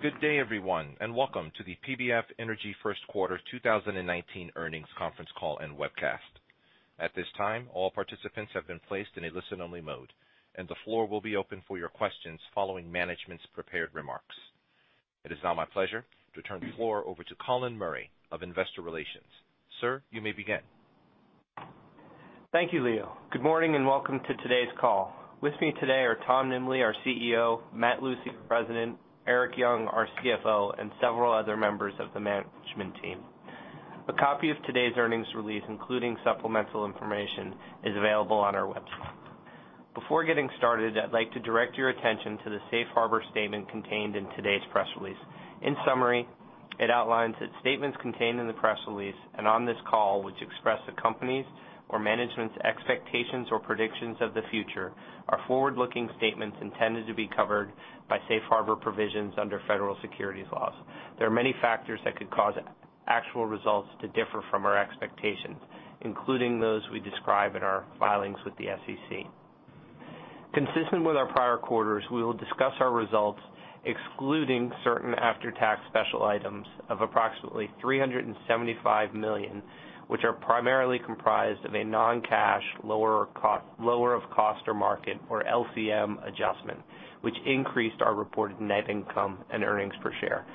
Good day, everyone, and welcome to the PBF Energy first quarter 2019 earnings conference call and webcast. At this time, all participants have been placed in a listen-only mode, and the floor will be open for your questions following management's prepared remarks. It is now my pleasure to turn the floor over to Colin Murray of Investor Relations. Sir, you may begin. Thank you, Leo. Good morning and welcome to today's call. With me today are Tom Nimbley, our CEO, Matt Lucey, President, Erik Young, our CFO, and several other members of the management team. A copy of today's earnings release, including supplemental information, is available on our website. Before getting started, I'd like to direct your attention to the Safe Harbor statement contained in today's press release. In summary, it outlines that statements contained in the press release and on this call, which express the company's or management's expectations or predictions of the future, are forward-looking statements intended to be covered by Safe Harbor provisions under federal securities laws. There are many factors that could cause actual results to differ from our expectations, including those we describe in our filings with the SEC. Consistent with our prior quarters, we will discuss our results excluding certain after-tax special items of approximately $375 million, which are primarily comprised of a non-cash lower of cost or market, or LCM adjustment, which increased our reported net income and earnings per share.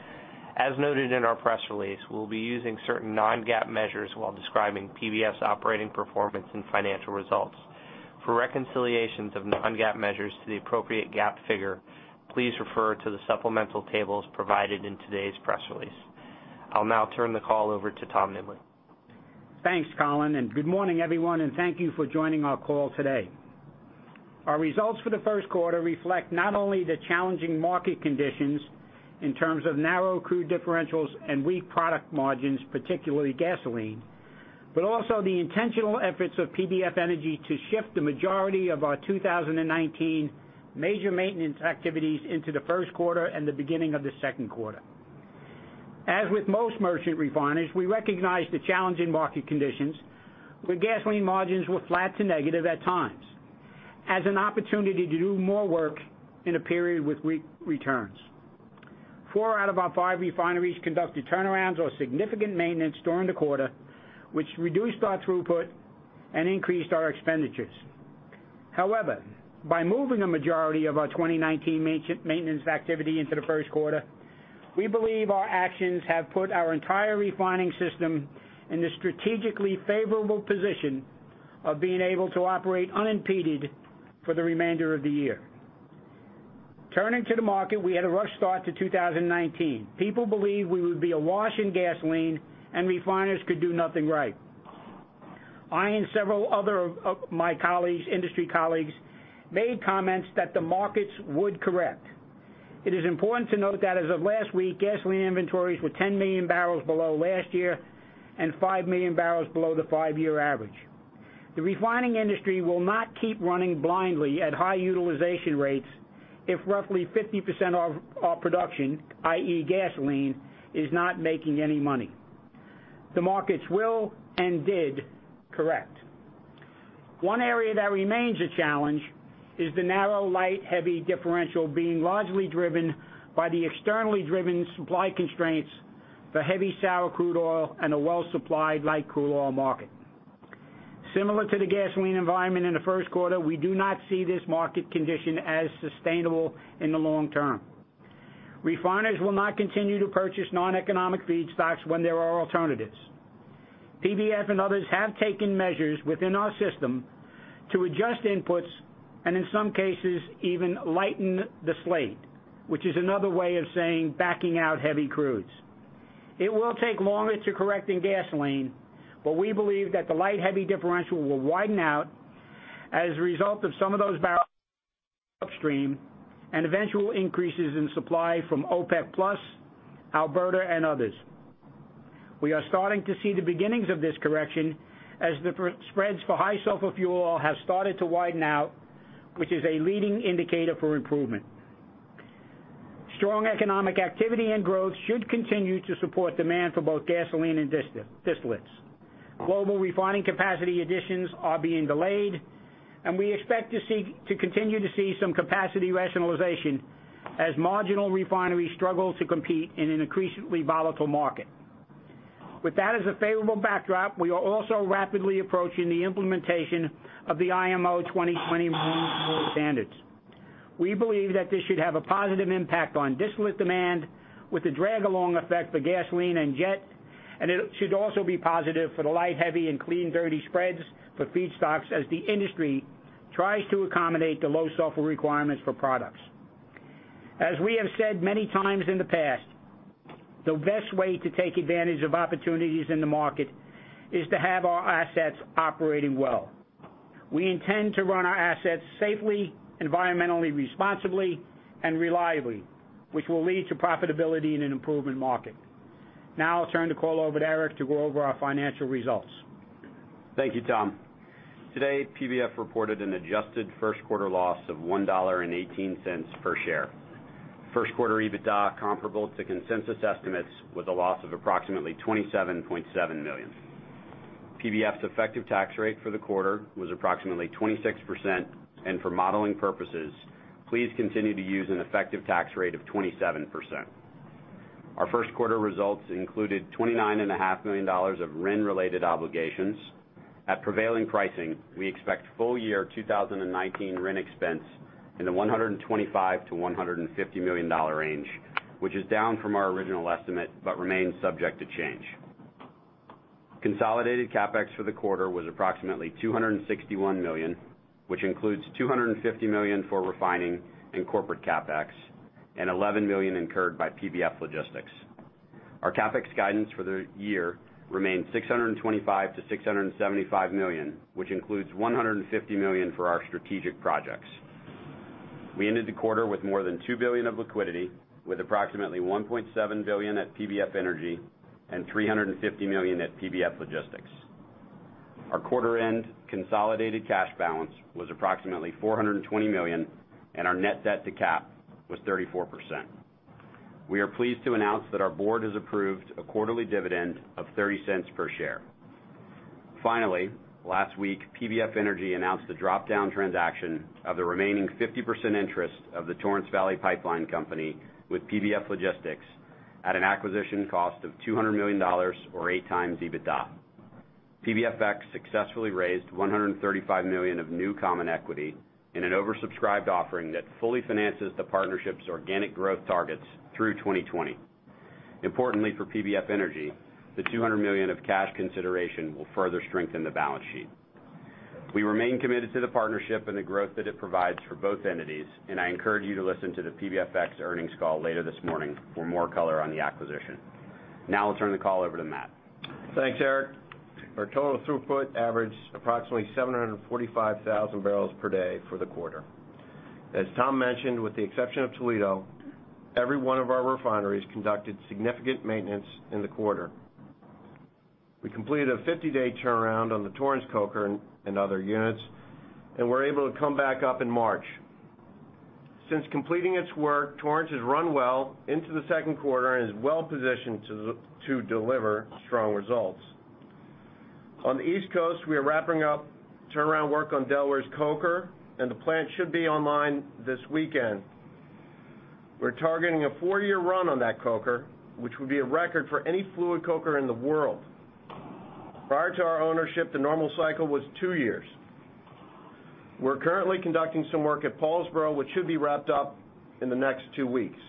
As noted in our press release, we'll be using certain non-GAAP measures while describing PBF's operating performance and financial results. For reconciliations of non-GAAP measures to the appropriate GAAP figure, please refer to the supplemental tables provided in today's press release. I'll now turn the call over to Tom Nimbley. Thanks, Colin. Good morning, everyone, and thank you for joining our call today. Our results for the first quarter reflect not only the challenging market conditions in terms of narrow crude differentials and weak product margins, particularly gasoline, but also the intentional efforts of PBF Energy to shift the majority of our 2019 major maintenance activities into the first quarter and the beginning of the second quarter. As with most merchant refiners, we recognize the challenging market conditions where gasoline margins were flat to negative at times as an opportunity to do more work in a period with weak returns. Four out of our five refineries conducted turnarounds or significant maintenance during the quarter, which reduced our throughput and increased our expenditures. However, by moving the majority of our 2019 maintenance activity into the first quarter, we believe our actions have put our entire refining system in the strategically favorable position of being able to operate unimpeded for the remainder of the year. Turning to the market, we had a rough start to 2019. People believed we would be awash in gasoline and refiners could do nothing right. I and several other of my industry colleagues made comments that the markets would correct. It is important to note that as of last week, gasoline inventories were 10 million barrels below last year and 5 million barrels below the 5-year average. The refining industry will not keep running blindly at high utilization rates if roughly 50% of our production, i.e., gasoline, is not making any money. The markets will and did correct. One area that remains a challenge is the narrow light-heavy differential being largely driven by the externally driven supply constraints for heavy sour crude oil and a well-supplied light crude oil market. Similar to the gasoline environment in the first quarter, we do not see this market condition as sustainable in the long term. Refiners will not continue to purchase non-economic feedstocks when there are alternatives. PBF and others have taken measures within our system to adjust inputs and, in some cases, even lighten the slate, which is another way of saying backing out heavy crudes. It will take longer to correct in gasoline, but we believe that the light-heavy differential will widen out as a result of some of those upstream and eventual increases in supply from OPEC+, Alberta, and others. We are starting to see the beginnings of this correction as the spreads for high sulfur fuel oil have started to widen out, which is a leading indicator for improvement. Strong economic activity and growth should continue to support demand for both gasoline and distillates. Global refining capacity additions are being delayed, and we expect to continue to see some capacity rationalization as marginal refineries struggle to compete in an increasingly volatile market. With that as a favorable backdrop, we are also rapidly approaching the implementation of the IMO 2020 marine fuel standards. We believe that this should have a positive impact on distillate demand with a drag-along effect for gasoline and jet, and it should also be positive for the light-heavy and clean-dirty spreads for feedstocks as the industry tries to accommodate the low sulfur requirements for products. I'll turn the call over to Erik to go over our financial results. Thank you, Tom. Today, PBF reported an adjusted first quarter loss of $1.18 per share. First quarter EBITDA comparable to consensus estimates with a loss of approximately $27.7 million. PBF's effective tax rate for the quarter was approximately 26%. For modeling purposes, please continue to use an effective tax rate of 27%. Our first quarter results included $29.5 million of RIN-related obligations. At prevailing pricing, we expect full year 2019 RIN expense in the $125 million-$150 million range, which is down from our original estimate but remains subject to change. Consolidated CapEx for the quarter was approximately $261 million, which includes $250 million for refining and corporate CapEx, and $11 million incurred by PBF Logistics. Our CapEx guidance for the year remains $625 million-$675 million, which includes $150 million for our strategic projects. We ended the quarter with more than $2 billion of liquidity, with approximately $1.7 billion at PBF Energy and $350 million at PBF Logistics. Our quarter-end consolidated cash balance was approximately $420 million. Our net debt to cap was 34%. We are pleased to announce that our board has approved a quarterly dividend of $0.30 per share. Finally, last week, PBF Energy announced the drop-down transaction of the remaining 50% interest of the Torrance Valley Pipeline Company with PBF Logistics at an acquisition cost of $200 million, or 8x EBITDA. PBFX successfully raised $135 million of new common equity in an oversubscribed offering that fully finances the partnership's organic growth targets through 2020. Importantly for PBF Energy, the $200 million of cash consideration will further strengthen the balance sheet. We remain committed to the partnership and the growth that it provides for both entities. I encourage you to listen to the PBFX earnings call later this morning for more color on the acquisition. Now I'll turn the call over to Matt. Thanks, Erik. Our total throughput averaged approximately 745,000 barrels per day for the quarter. As Tom mentioned, with the exception of Toledo, every one of our refineries conducted significant maintenance in the quarter. We completed a 50-day turnaround on the Torrance coker and other units and were able to come back up in March. Since completing its work, Torrance has run well into the second quarter and is well positioned to deliver strong results. On the East Coast, we are wrapping up turnaround work on Delaware's coker. The plant should be online this weekend. We're targeting a four-year run on that coker, which would be a record for any fluid coker in the world. Prior to our ownership, the normal cycle was two years. We're currently conducting some work at Paulsboro, which should be wrapped up in the next two weeks.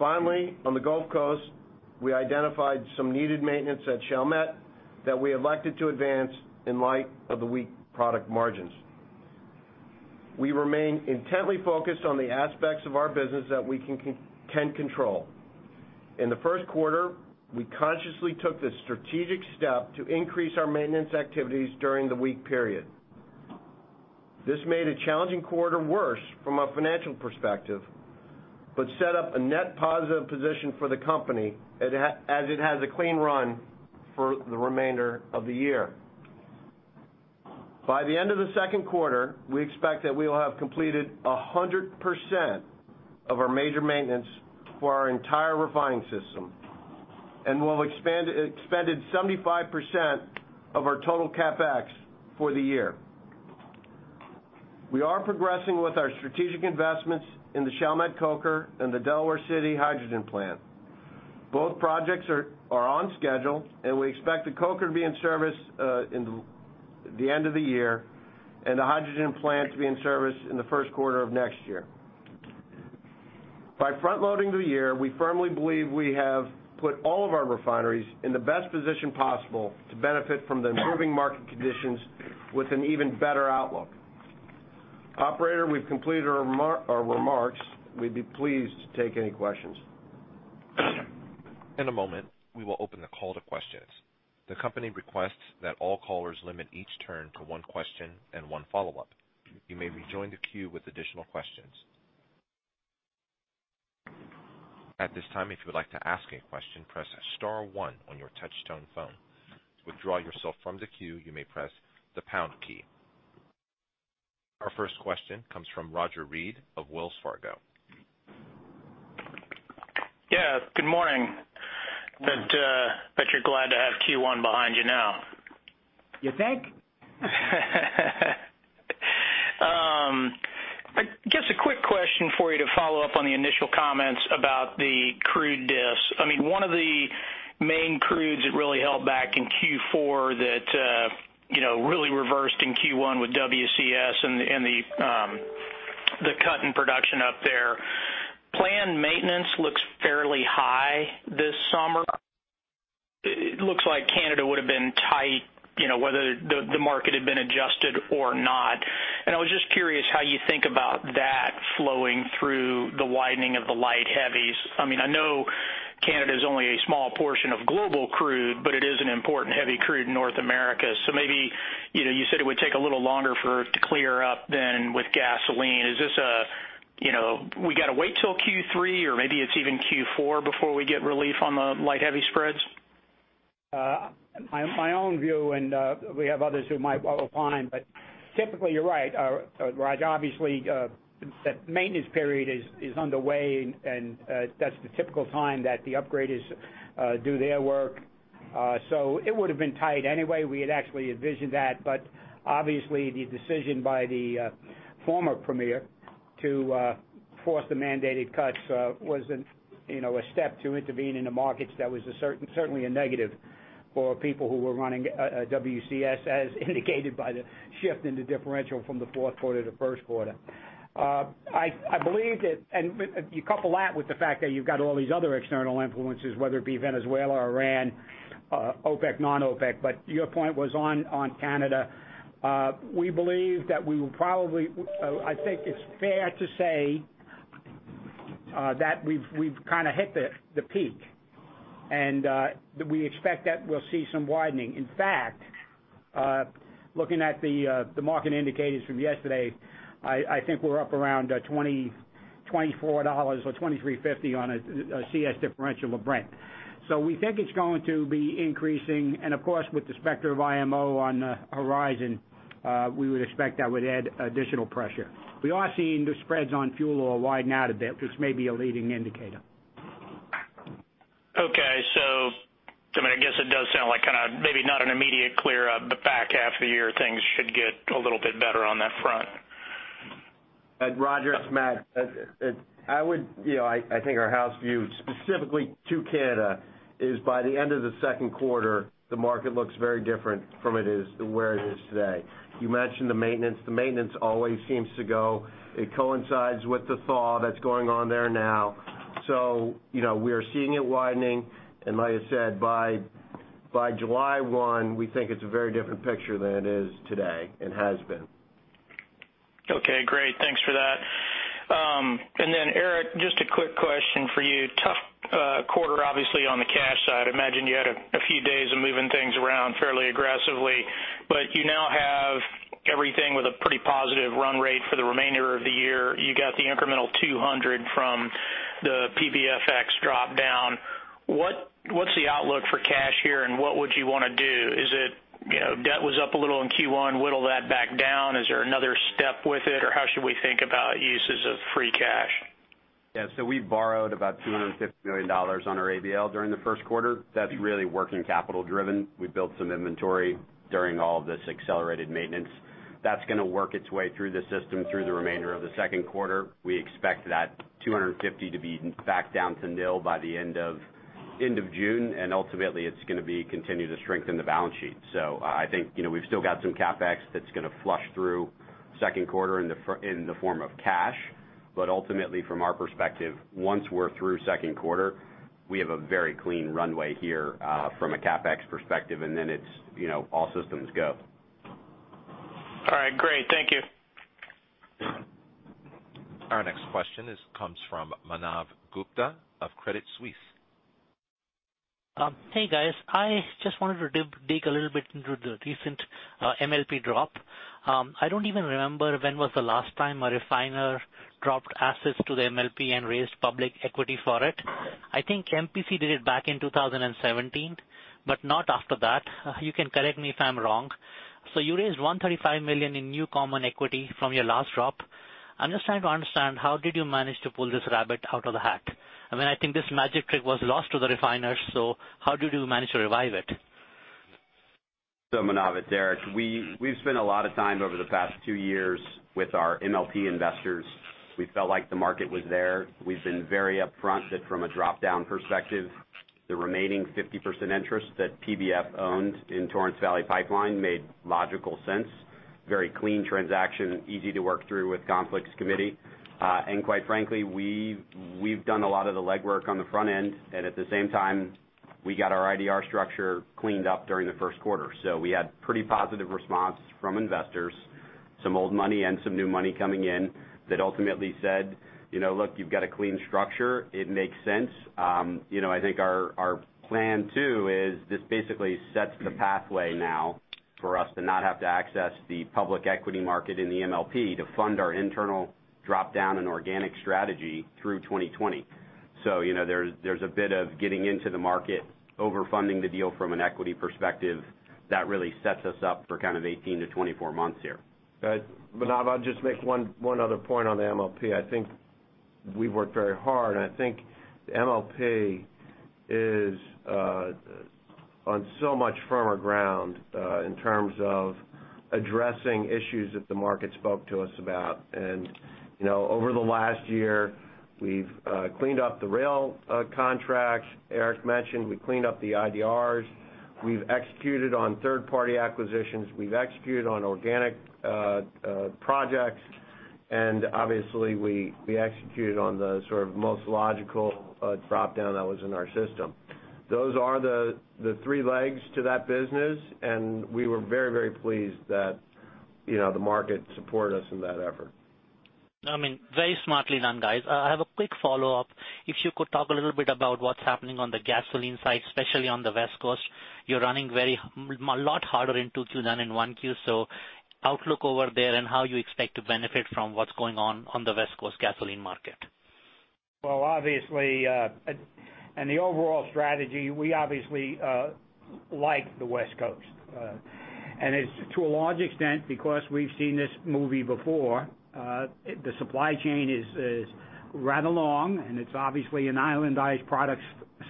On the Gulf Coast, we identified some needed maintenance at Chalmette that we elected to advance in light of the weak product margins. We remain intently focused on the aspects of our business that we can control. In the first quarter, we consciously took the strategic step to increase our maintenance activities during the weak period. This made a challenging quarter worse from a financial perspective, but set up a net positive position for the company as it has a clean run for the remainder of the year. By the end of the second quarter, we expect that we will have completed 100% of our major maintenance for our entire refining system and will have expended 75% of our total CapEx for the year. We are progressing with our strategic investments in the Chalmette coker and the Delaware City hydrogen plant. Both projects are on schedule. We expect the coker to be in service in the end of the year and the hydrogen plant to be in service in the first quarter of next year. By front-loading the year, we firmly believe we have put all of our refineries in the best position possible to benefit from the improving market conditions with an even better outlook. Operator, we've completed our remarks. We'd be pleased to take any questions. In a moment, we will open the call to questions. The company requests that all callers limit each turn to one question and one follow-up. You may rejoin the queue with additional questions. At this time, if you would like to ask a question, press star one on your touch-tone phone. To withdraw yourself from the queue, you may press the pound key. Our first question comes from Roger Read of Wells Fargo. Yeah. Good morning. Bet you're glad to have Q1 behind you now. You think? Just a quick question for you to follow up on the initial comments about the crude diffs. One of the main crudes that really held back in Q4 that really reversed in Q1 with WCS and the cut in production up there. Planned maintenance looks fairly high this summer. It looks like Canada would have been tight, whether the market had been adjusted or not. I was just curious how you think about that flowing through the widening of the light heavies. I know Canada is only a small portion of global crude, but it is an an important heavy crude in North America. You said it would take a little longer to clear up than with gasoline. We got to wait till Q3, or maybe it's even Q4 before we get relief on the light heavy spreads? My own view. We have others who might well opine, but typically you're right, Roger. Obviously, that maintenance period is underway, and that's the typical time that the upgraders do their work. It would have been tight anyway. We had actually envisioned that. Obviously, the decision by the former premier to force the mandated cuts was a step to intervene in the markets. That was certainly a negative for people who were running WCS, as indicated by the shift in the differential from the fourth quarter to first quarter. You couple that with the fact that you've got all these other external influences, whether it be Venezuela, Iran, OPEC, non-OPEC, but your point was on Canada. I think it's fair to say that we've kind of hit the peak, and that we expect that we'll see some widening. In fact, looking at the market indicators from yesterday, I think we're up around $24 or $23.50 on a CS differential of Brent. We think it's going to be increasing, Of course, with the specter of IMO on the horizon, we would expect that would add additional pressure. We are seeing the spreads on fuel oil widen out a bit, which may be a leading indicator. I guess it does sound like maybe not an immediate clear, but back half of the year, things should get a little bit better on that front. Roger, it's Matt. Our house view, specifically to Canada, is by the end of the second quarter, the market looks very different from where it is today. You mentioned the maintenance. The maintenance always seems to go. It coincides with the thaw that's going on there now. We are seeing it widening, and like I said, by July 1, we think it's a very different picture than it is today and has been. Thanks for that. Erik, just a quick question for you. Tough quarter, obviously, on the cash side. I imagine you had a few days of moving things around fairly aggressively, but you now have everything with a pretty positive run rate for the remainder of the year. You got the incremental $200 from the PBFX drop-down. What's the outlook for cash here, and what would you want to do? Debt was up a little in Q1, whittle that back down? Is there another step with it, or how should we think about uses of free cash? Yeah. We borrowed about $250 million on our ABL during the first quarter. That's really working capital-driven. We built some inventory during all this accelerated maintenance. That's going to work its way through the system through the remainder of the second quarter. We expect that 250 to be back down to nil by the end of June, and ultimately, it's going to continue to strengthen the balance sheet. I think, we've still got some CapEx that's going to flush through second quarter in the form of cash. Ultimately, from our perspective, once we're through second quarter, we have a very clean runway here, from a CapEx perspective, and then it's all systems go. All right. Great. Thank you. Our next question comes from Manav Gupta of Credit Suisse. Hey, guys. I just wanted to dig a little bit into the recent MLP drop. I don't even remember when was the last time a refiner dropped assets to the MLP and raised public equity for it. I think MPC did it back in 2017, but not after that. You can correct me if I'm wrong. You raised $135 million in new common equity from your last drop. I'm just trying to understand, how did you manage to pull this rabbit out of the hat? I think this magic trick was lost to the refiners. How did you manage to revive it? Manav, it's Eric. We've spent a lot of time over the past 2 years with our MLP investors. We felt like the market was there. We've been very upfront that from a drop-down perspective, the remaining 50% interest that PBF owned in Torrance Valley Pipeline made logical sense. Very clean transaction, easy to work through with conflicts committee. Quite frankly, we've done a lot of the legwork on the front end, and at the same time, we got our IDR structure cleaned up during the first quarter. We had pretty positive response from investors, some old money and some new money coming in that ultimately said, "Look, you've got a clean structure. It makes sense." I think our plan too is this basically sets the pathway now for us to not have to access the public equity market in the MLP to fund our internal drop-down and organic strategy through 2020. There's a bit of getting into the market, over-funding the deal from an equity perspective. That really sets us up for kind of 18 to 24 months here. Manav, I'll just make one other point on the MLP. I think we've worked very hard, and I think the MLP is on so much firmer ground in terms of addressing issues that the market spoke to us about. Over the last year, we've cleaned up the rail contracts. Eric mentioned we cleaned up the IDRs. We've executed on third-party acquisitions. We've executed on organic projects. Obviously, we executed on the most logical drop-down that was in our system. Those are the three legs to that business, and we were very pleased that the market supported us in that effort. Very smartly done, guys. I have a quick follow-up. If you could talk a little bit about what's happening on the gasoline side, especially on the West Coast. You're running a lot harder in 2Q than in 1Q. Outlook over there and how you expect to benefit from what's going on on the West Coast gasoline market. In the overall strategy, we obviously like the West Coast. It's to a large extent because we've seen this movie before. The supply chain is run along, and it's obviously an islandized product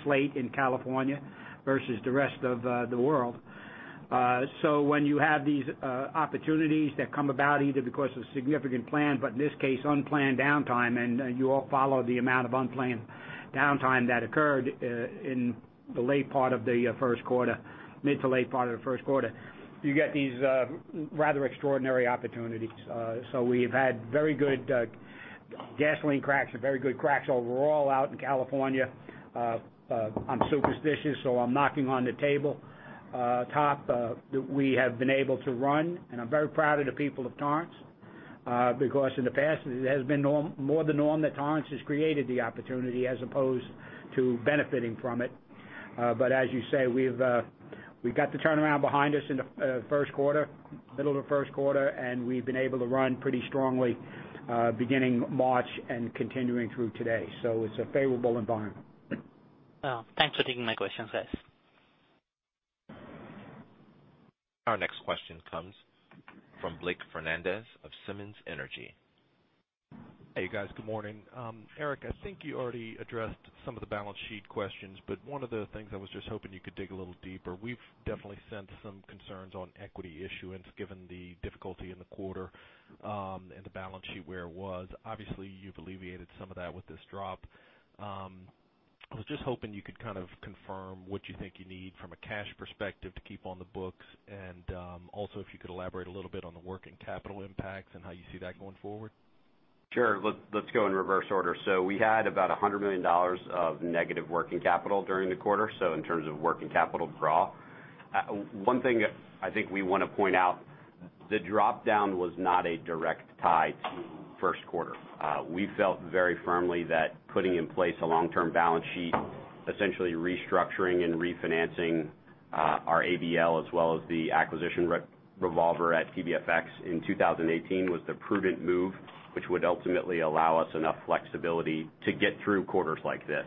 slate in California versus the rest of the world. When you have these opportunities that come about, either because of significant plan, but in this case, unplanned downtime, and you all follow the amount of unplanned downtime that occurred in the late part of the first quarter, mid to late part of the first quarter, you get these rather extraordinary opportunities. We've had very good gasoline cracks or very good cracks overall out in California. I'm superstitious, so I'm knocking on the table top that we have been able to run. I'm very proud of the people of Torrance, because in the past, it has been more the norm that Torrance has created the opportunity as opposed to benefiting from it. As you say, we've got the turnaround behind us in the first quarter, middle of the first quarter, and we've been able to run pretty strongly, beginning March and continuing through today. It's a favorable environment. Thanks for taking my questions, guys. Our next question comes from Blake Fernandez of Simmons Energy. Hey, guys. Good morning. Erik, I think you already addressed some of the balance sheet questions. One of the things I was just hoping you could dig a little deeper. We've definitely sensed some concerns on equity issuance given the difficulty in the quarter, and the balance sheet where it was. Obviously, you've alleviated some of that with this drop. I was just hoping you could confirm what you think you need from a cash perspective to keep on the books. Also, if you could elaborate a little bit on the working capital impacts and how you see that going forward. Sure. Let's go in reverse order. We had about $100 million of negative working capital during the quarter, so in terms of working capital draw. One thing I think we want to point out, the drop-down was not a direct tie to first quarter. We felt very firmly that putting in place a long-term balance sheet, essentially restructuring and refinancing our ABL as well as the acquisition revolver at PBFX in 2018 was the prudent move, which would ultimately allow us enough flexibility to get through quarters like this.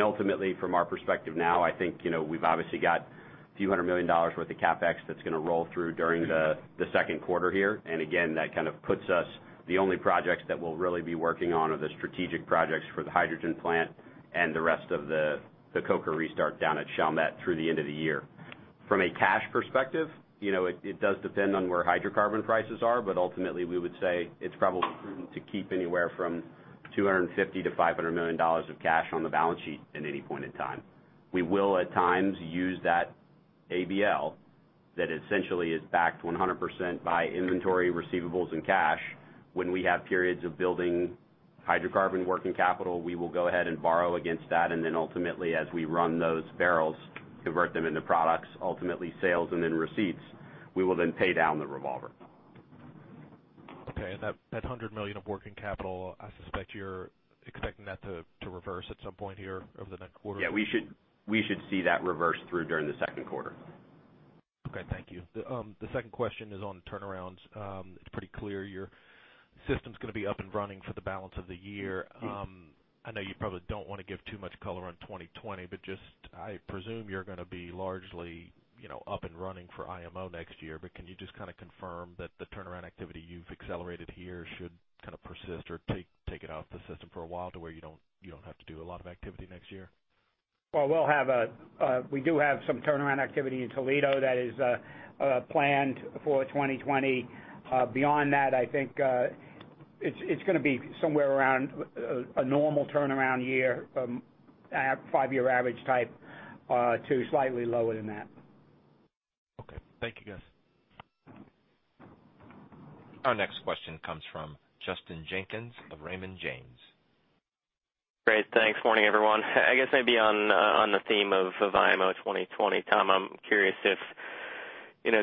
Ultimately, from our perspective now, I think, we've obviously got a few hundred million dollars' worth of CapEx that's going to roll through during the second quarter here. Again, that puts us, the only projects that we'll really be working on are the strategic projects for the hydrogen plant and the rest of the coker restart down at Chalmette through the end of the year. From a cash perspective, it does depend on where hydrocarbon prices are. Ultimately, we would say it's probably prudent to keep anywhere from $250 million-$500 million of cash on the balance sheet at any point in time. We will, at times, use that ABL that essentially is backed 100% by inventory receivables and cash. When we have periods of building hydrocarbon working capital, we will go ahead and borrow against that. Then ultimately, as we run those barrels, convert them into products, ultimately sales and then receipts. We will then pay down the revolver. Okay. That $100 million of working capital, I suspect you're expecting that to reverse at some point here over the next quarter? Yeah, we should see that reverse through during the second quarter. Okay. Thank you. The second question is on turnarounds. It's pretty clear your system's going to be up and running for the balance of the year. Yes. I know you probably don't want to give too much color on 2020, just, I presume you're going to be largely up and running for IMO next year. Can you just confirm that the turnaround activity you've accelerated here should persist or take it off the system for a while to where you don't have to do a lot of activity next year? Well, we do have some turnaround activity in Toledo that is planned for 2020. Beyond that, I think, it's going to be somewhere around a normal turnaround year, five-year average type, to slightly lower than that. Okay. Thank you, guys. Our next question comes from Justin Jenkins of Raymond James. Great. Thanks. Morning, everyone. I guess maybe on the theme of IMO 2020, Tom, I'm curious if,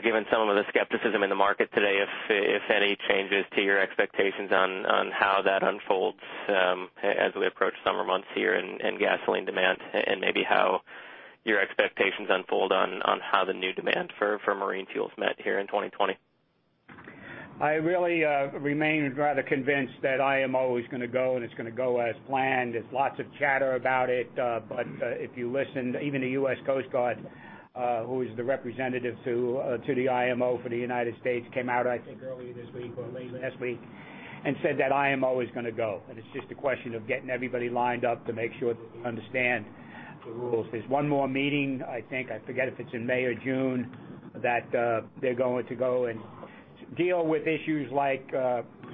given some of the skepticism in the market today, if any changes to your expectations on how that unfolds, as we approach summer months here and gasoline demand, and maybe how your expectations unfold on how the new demand for marine fuel's met here in 2020. I really remain rather convinced that IMO is going to go, and it's going to go as planned. There's lots of chatter about it. If you listen, even the U.S. Coast Guard, who is the representative to the IMO for the United States, came out, I think early this week or late last week, and said that IMO is going to go, and it's just a question of getting everybody lined up to make sure they understand the rules. There's one more meeting, I think. I forget if it's in May or June, that they're going to go and deal with issues like,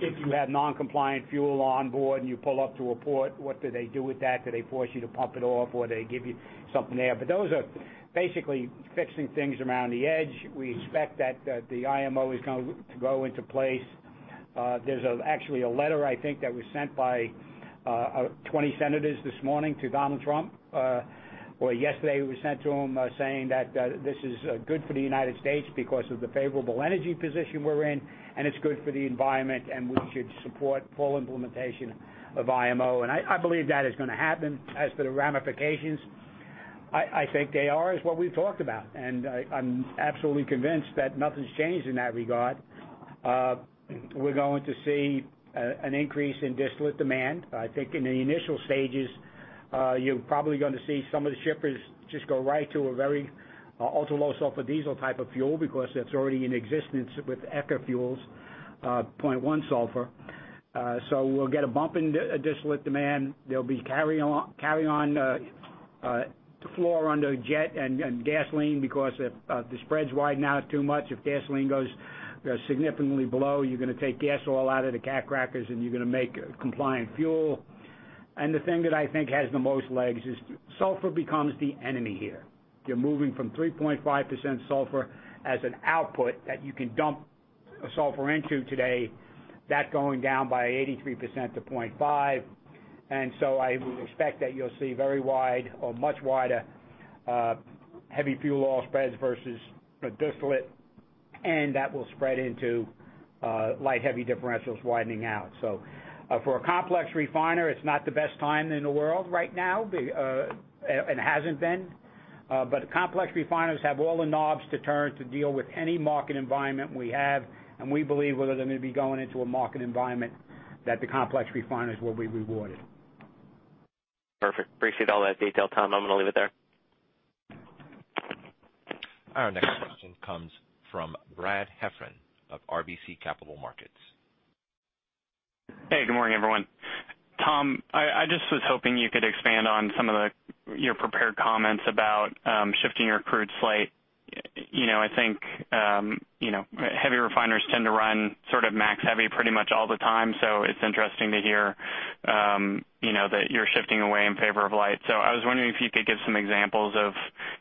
if you have non-compliant fuel on board and you pull up to a port, what do they do with that? Do they force you to pump it off, or do they give you something there? Those are basically fixing things around the edge. We expect that the IMO is going to go into place. There's actually a letter, I think, that was sent by 20 senators this morning to Donald Trump, or yesterday it was sent to him, saying that this is good for the United States because of the favorable energy position we're in, and it's good for the environment, and we should support full implementation of IMO. I believe that is going to happen. As for the ramifications, I think they are as what we've talked about, and I'm absolutely convinced that nothing's changed in that regard. We're going to see an increase in distillate demand. I think in the initial stages, you're probably going to see some of the shippers just go right to a very ultra-low sulfur diesel type of fuel because that's already in existence with ECA fuels, 0.1% sulfur. We'll get a bump in distillate demand. There'll be carry on to floor under jet and gasoline because if the spreads widen out too much, if gasoline goes significantly below, you're going to take gas oil out of the cat crackers and you're going to make compliant fuel. The thing that I think has the most legs is sulfur becomes the enemy here. You're moving from 3.5% sulfur as an output that you can dump sulfur into today, that going down by 83% to 0.5%. I would expect that you'll see very wide or much wider heavy fuel oil spreads versus distillate, and that will spread into light heavy differentials widening out. For a complex refiner, it's not the best time in the world right now. It hasn't been. Complex refiners have all the knobs to turn to deal with any market environment we have, and we believe we're going to be going into a market environment that the complex refiners will be rewarded. Perfect. Appreciate all that detail, Tom. I'm going to leave it there. Our next question comes from Brad Heffern of RBC Capital Markets. Hey, good morning, everyone. Tom, I was hoping you could expand on some of your prepared comments about shifting your crude slate. I think heavy refiners tend to run max heavy pretty much all the time, it's interesting to hear that you're shifting away in favor of light. I was wondering if you could give some examples of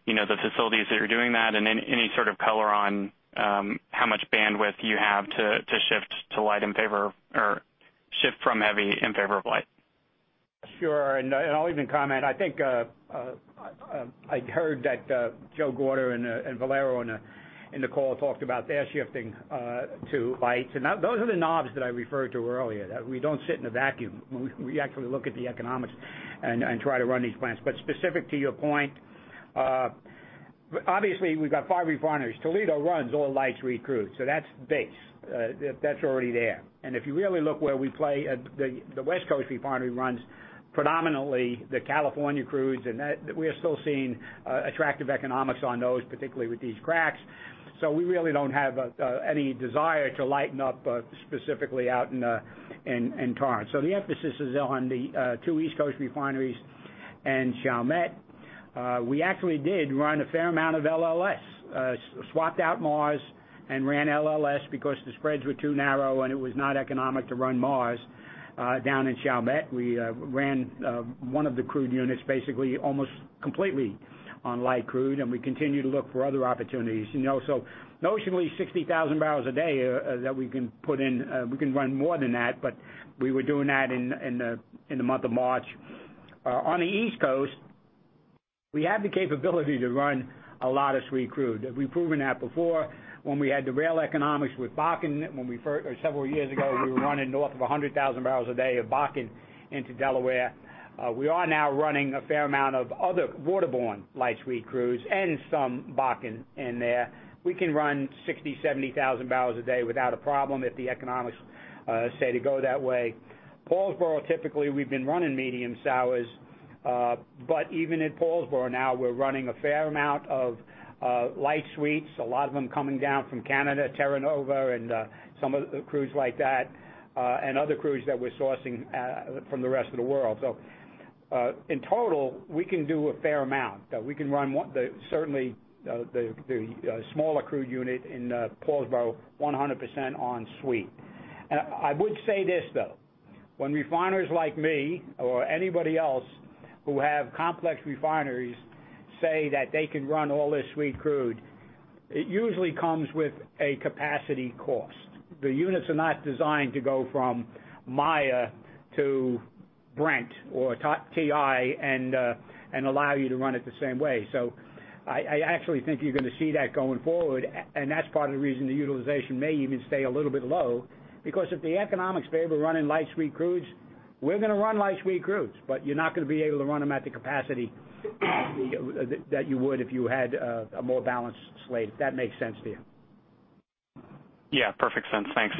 the facilities that are doing that and any sort of color on how much bandwidth you have to shift to light in favor or shift from heavy in favor of light. Sure. I'll even comment. I think I heard that Joe Gorder and Valero in the call talked about their shifting to lights. Those are the knobs that I referred to earlier, that we don't sit in a vacuum. We actually look at the economics and try to run these plants. Specific to your point, obviously we've got five refiners. Toledo runs all light sweet crude, so that's base. That's already there. If you really look where we play, the West Coast refinery runs predominantly the California crudes, and we are still seeing attractive economics on those, particularly with these cracks. We really don't have any desire to lighten up specifically out in Torrance. The emphasis is on the two East Coast refineries and Chalmette. We actually did run a fair amount of LLS. Swapped out Mars and ran LLS because the spreads were too narrow, and it was not economic to run Mars down in Chalmette. We ran one of the crude units basically almost completely on light crude, and we continue to look for other opportunities. Notionally 60,000 barrels a day that we can put in. We can run more than that, but we were doing that in the month of March. On the East Coast, we have the capability to run a lot of sweet crude. We've proven that before when we had the rail economics with Bakken several years ago, we were running north of 100,000 barrels a day of Bakken into Delaware. We are now running a fair amount of other waterborne light sweet crudes and some Bakken in there. We can run 60,000, 70,000 barrels a day without a problem if the economics say to go that way. Paulsboro, typically, we've been running medium sours. Even at Paulsboro now, we're running a fair amount of light sweets, a lot of them coming down from Canada, Terra Nova, and some crudes like that, and other crudes that we're sourcing from the rest of the world. In total, we can do a fair amount. We can run certainly the smaller crude unit in Paulsboro 100% on sweet. I would say this, though. When refiners like me or anybody else who have complex refineries say that they can run all this sweet crude, it usually comes with a capacity cost. The units are not designed to go from Maya to Brent or WTI and allow you to run it the same way. I actually think you're going to see that going forward, and that's part of the reason the utilization may even stay a little bit low, because if the economics favor running light sweet crudes, we're going to run light sweet crudes, but you're not going to be able to run them at the capacity that you would if you had a more balanced slate, if that makes sense to you. Yeah. Perfect sense. Thanks.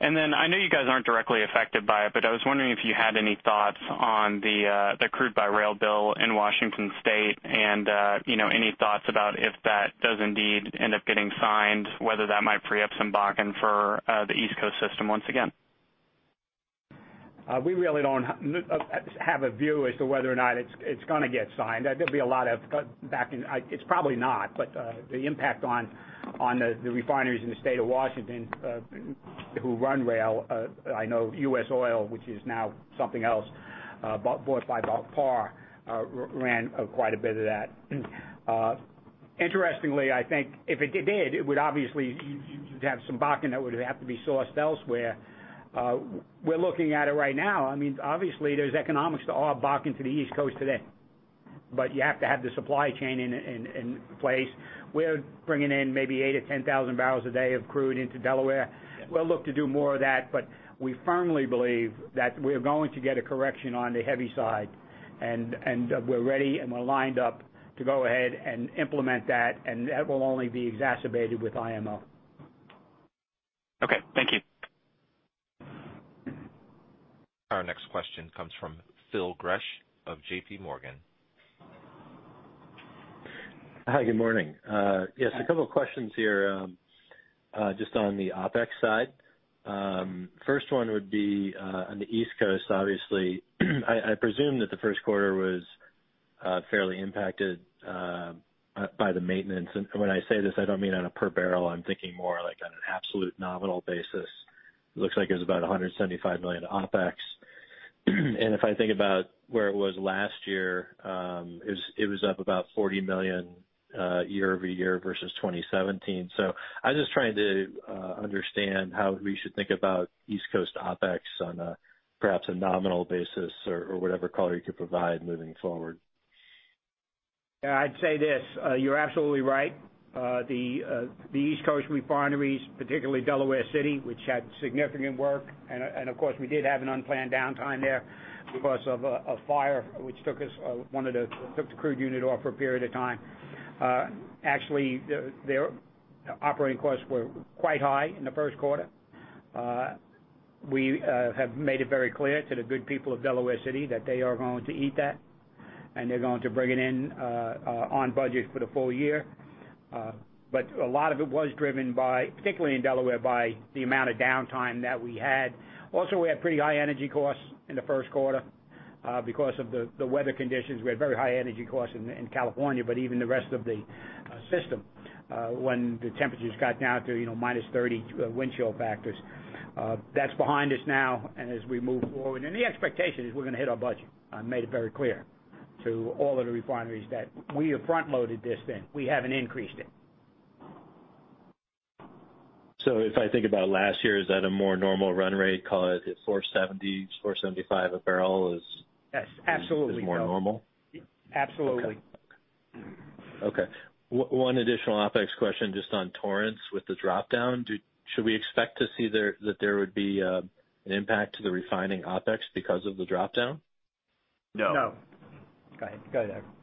Then I know you guys aren't directly affected by it, but I was wondering if you had any thoughts on the crude by rail bill in Washington state and any thoughts about if that does indeed end up getting signed, whether that might free up some Bakken for the East Coast system once again? We really don't have a view as to whether or not it's going to get signed. There'll be a lot of backing. It's probably not, but the impact on the refineries in the state of Washington who run rail, I know US Oil, which is now something else, bought by PAR, ran quite a bit of that. Interestingly, I think if it did, it would obviously have some Bakken that would have to be sourced elsewhere. We're looking at it right now. Obviously, there's economics to all Bakken to the East Coast today, but you have to have the supply chain in place. We're bringing in maybe 8,000 to 10,000 barrels a day of crude into Delaware. We'll look to do more of that, we firmly believe that we're going to get a correction on the heavy side, we're ready, we're lined up to go ahead and implement that will only be exacerbated with IMO. Okay. Thank you. Our next question comes from Phil Gresh of J.P. Morgan. Hi, good morning. Yes, a couple of questions here. Just on the OpEx side. First one would be on the East Coast, obviously, I presume that the first quarter was fairly impacted by the maintenance. When I say this, I don't mean on a per barrel, I'm thinking more like on an absolute nominal basis. It looks like it was about $175 million OpEx. If I think about where it was last year, it was up about $40 million year-over-year versus 2017. I'm just trying to understand how we should think about East Coast OpEx on perhaps a nominal basis or whatever color you could provide moving forward. Yeah, I'd say this. You're absolutely right. The East Coast refineries, particularly Delaware City, which had significant work, and of course, we did have an unplanned downtime there because of a fire, which took the crude unit off for a period of time. Actually, their operating costs were quite high in the first quarter. We have made it very clear to the good people of Delaware City that they are going to eat that, and they're going to bring it in on budget for the full year. A lot of it was driven by, particularly in Delaware, by the amount of downtime that we had. Also, we had pretty high energy costs in the first quarter because of the weather conditions. We had very high energy costs in California, even the rest of the system, when the temperatures got down to -30 wind chill factors. That's behind us now. As we move forward, the expectation is we're going to hit our budget. I made it very clear to all of the refineries that we have front-loaded this, we haven't increased it. If I think about last year, is that a more normal run rate, call it, if $470, $475 a barrel is? Yes, absolutely. is more normal? Absolutely. Okay. One additional OpEx question just on Torrance with the drop down. Should we expect to see that there would be an impact to the refining OpEx because of the drop down? No. No. Go ahead,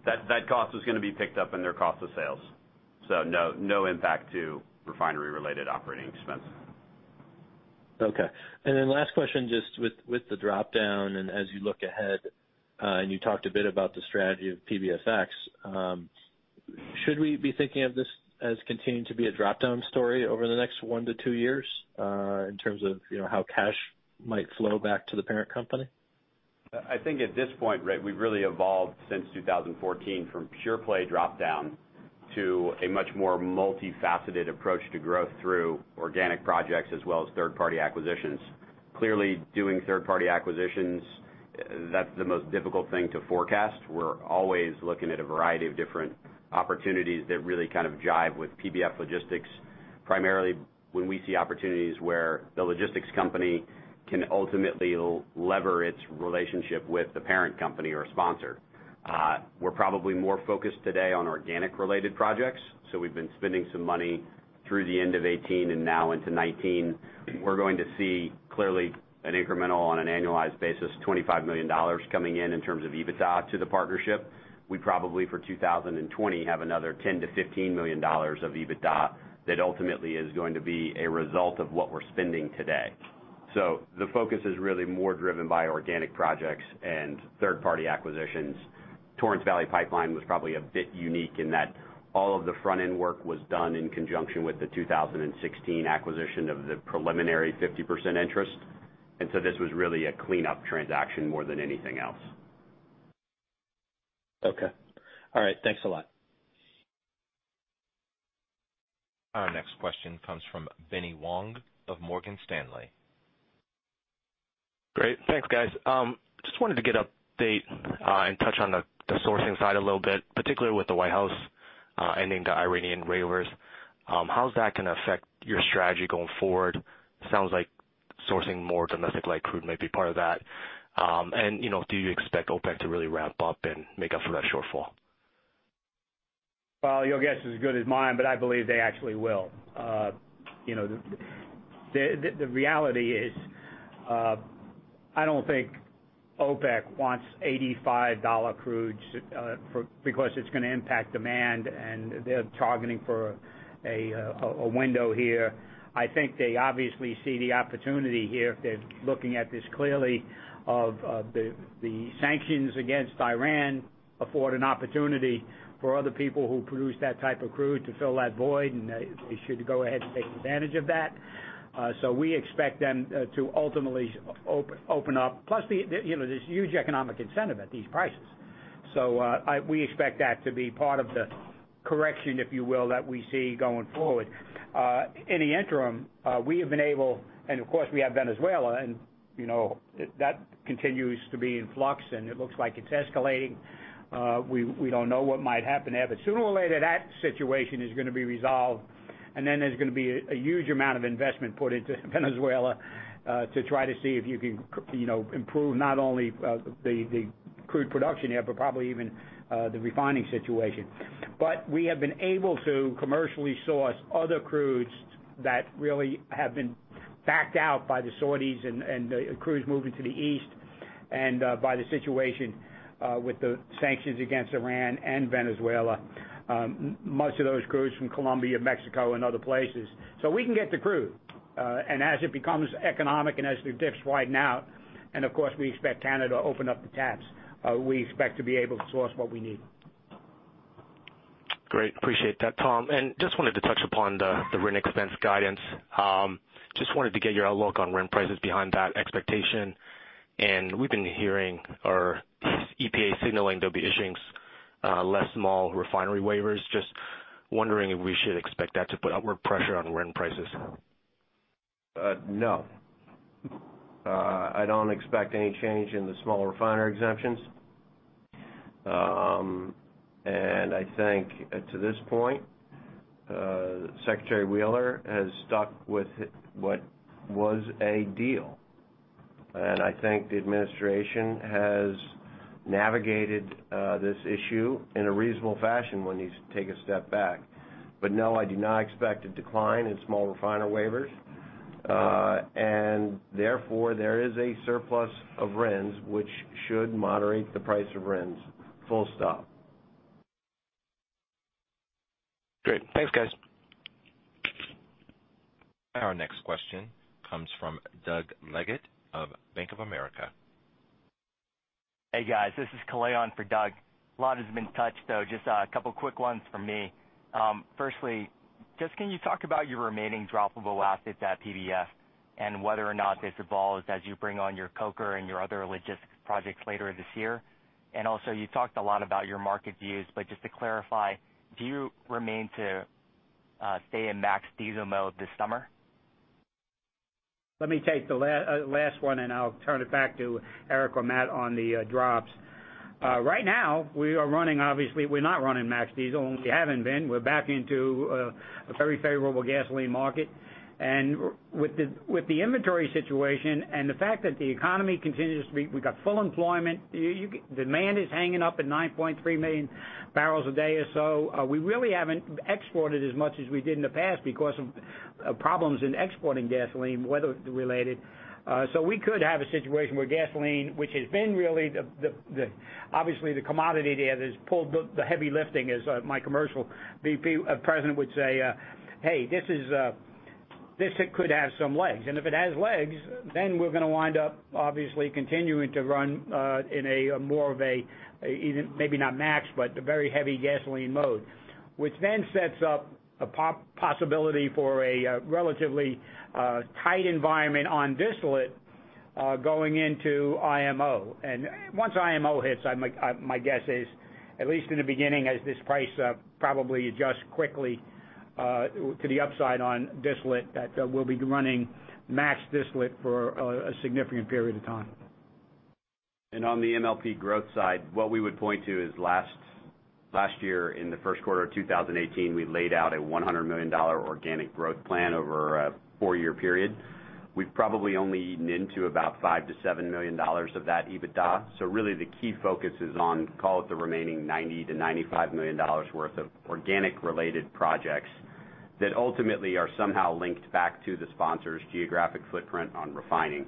Doug. That cost is going to be picked up in their cost of sales. No impact to refinery-related operating expense. Okay. Last question, just with the drop down and as you look ahead, you talked a bit about the strategy of PBFX. Should we be thinking of this as continuing to be a drop down story over the next one to two years in terms of how cash might flow back to the parent company? I think at this point, we've really evolved since 2014 from pure play drop down to a much more multifaceted approach to growth through organic projects as well as third-party acquisitions. Clearly, doing third-party acquisitions, that's the most difficult thing to forecast. We're always looking at a variety of different opportunities that really jive with PBF Logistics. Primarily, when we see opportunities where the logistics company can ultimately lever its relationship with the parent company or sponsor. We're probably more focused today on organic-related projects. We've been spending some money through the end of 2018 and now into 2019. We're going to see, clearly, an incremental on an annualized basis, $25 million coming in terms of EBITDA to the partnership. We probably, for 2020, have another $10 million-$15 million of EBITDA that ultimately is going to be a result of what we're spending today. The focus is really more driven by organic projects and third-party acquisitions. Torrance Valley Pipeline was probably a bit unique in that all of the front-end work was done in conjunction with the 2016 acquisition of the preliminary 50% interest. This was really a cleanup transaction more than anything else. Okay. All right. Thanks a lot. Our next question comes from Benny Wong of Morgan Stanley. Great. Thanks, guys. Just wanted to get an update and touch on the sourcing side a little bit, particularly with the White House ending the Iranian waivers. How's that going to affect your strategy going forward? Sounds like sourcing more domestic light crude may be part of that. Do you expect OPEC to really ramp up and make up for that shortfall? Well, your guess is as good as mine. I believe they actually will. The reality is, I don't think OPEC wants $85 crude because it's going to impact demand. They're targeting for a window here. I think they obviously see the opportunity here, if they're looking at this clearly, of the sanctions against Iran afford an opportunity for other people who produce that type of crude to fill that void. They should go ahead and take advantage of that. We expect them to ultimately open up. Plus, there's huge economic incentive at these prices. We expect that to be part of the correction, if you will, that we see going forward. In the interim. Of course, we have Venezuela, that continues to be in flux. It looks like it's escalating. We don't know what might happen there. Sooner or later, that situation is going to be resolved. Then there's going to be a huge amount of investment put into Venezuela to try to see if you can improve not only the crude production there, but probably even the refining situation. We have been able to commercially source other crudes that really have been backed out by the Saudis and the crudes moving to the east and by the situation with the sanctions against Iran and Venezuela. Most of those crudes from Colombia, Mexico, and other places. We can get the crude. As it becomes economic and as the dips widen out, and of course we expect Canada to open up the taps, we expect to be able to source what we need. Great. Appreciate that, Tom. Just wanted to touch upon the RIN expense guidance. Just wanted to get your outlook on RIN prices behind that expectation. We've been hearing our EPA signaling they'll be issuing less small refinery waivers. Just wondering if we should expect that to put upward pressure on RIN prices. No. I don't expect any change in the small refiner exemptions. I think to this point, Secretary Wheeler has stuck with what was a deal. I think the administration has navigated this issue in a reasonable fashion when you take a step back. No, I do not expect a decline in small refiner waivers. Therefore, there is a surplus of RINs, which should moderate the price of RINs. Full stop. Great. Thanks, guys. Our next question comes from Doug Leggate of Bank of America. Hey, guys. This is Kalyan for Doug. A lot has been touched, so just a couple quick ones from me. Firstly, just can you talk about your remaining droppable assets at PBF and whether or not this evolves as you bring on your coker and your other logistics projects later this year? Also, you talked a lot about your market views, but just to clarify, do you remain to stay in max diesel mode this summer? Let me take the last one, I'll turn it back to Erik or Matt on the drops. Right now, obviously, we're not running max diesel, and we haven't been. We're back into a very favorable gasoline market. With the inventory situation and the fact that the economy continues to be, we've got full employment. Demand is hanging up at 9.3 million barrels a day or so. We really haven't exported as much as we did in the past because of problems in exporting gasoline, weather related. We could have a situation where gasoline, which has been really, obviously, the commodity there, that has pulled the heavy lifting, as my commercial VP of president would say, "Hey, this could have some legs." If it has legs, we're going to wind up, obviously, continuing to run in a more of a, maybe not max, but a very heavy gasoline mode, which then sets up a possibility for a relatively tight environment on distillate going into IMO. Once IMO hits, my guess is, at least in the beginning, as this price probably adjusts quickly to the upside on distillate, that we'll be running max distillate for a significant period of time. On the MLP growth side, what we would point to is last year in the first quarter of 2018, we laid out a $100 million organic growth plan over a four-year period. We've probably only eaten into about $5 million-$7 million of that EBITDA. Really the key focus is on, call it the remaining $90 million-$95 million worth of organic-related projects that ultimately are somehow linked back to the sponsor's geographic footprint on refining.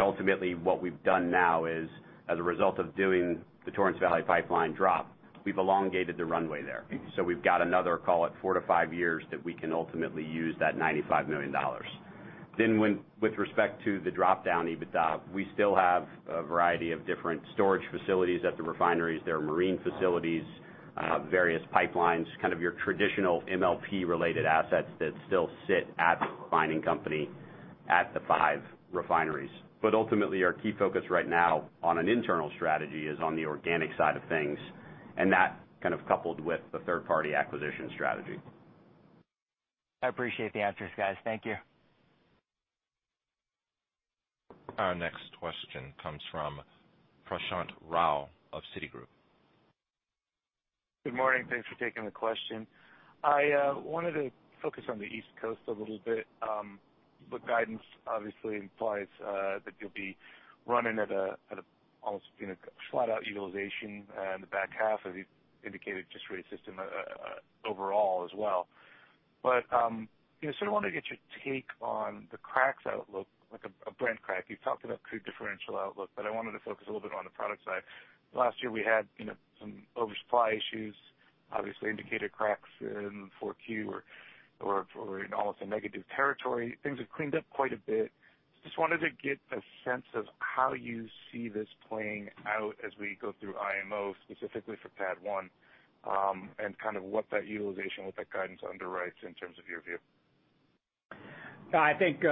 Ultimately, what we've done now is, as a result of doing the Torrance Valley Pipeline drop, we've elongated the runway there. We've got another, call it four to five years, that we can ultimately use that $95 million. With respect to the drop-down EBITDA, we still have a variety of different storage facilities at the refineries. There are marine facilities, various pipelines, kind of your traditional MLP-related assets that still sit at the refining company at the five refineries. Ultimately, our key focus right now on an internal strategy is on the organic side of things, and that coupled with the third-party acquisition strategy. I appreciate the answers, guys. Thank you. Our next question comes from Prashant Rao of Citigroup. Good morning. Thanks for taking the question. I wanted to focus on the East Coast a little bit. The guidance obviously implies that you'll be running at almost flat-out utilization in the back half, as you indicated, just for your system overall as well. I want to get your take on the cracks outlook, like a Brent crack. You talked about crude differential outlook. I wanted to focus a little bit on the product side. Last year, we had some oversupply issues, obviously indicated cracks in 4Q or in almost a negative territory. Things have cleaned up quite a bit. Just wanted to get a sense of how you see this playing out as we go through IMO, specifically for PADD-1, and what that utilization with that guidance underwrites in terms of your view. I think